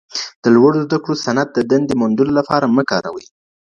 د لوړو زده کړو سند د دندې موندلو لپاره مه کاروئ.